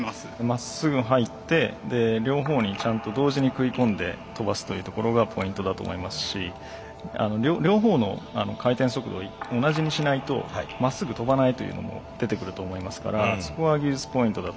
まっすぐ入って両方にちゃんと同時に食い込んで跳ばすというところがポイントだと思いますし両方の回転速度を同じにしないとまっすぐ跳ばないというのも出てくると思いますからそこは技術ポイントだと思います。